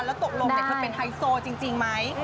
เธอตกลงให้เธอเป็นไฮโซจริงไหม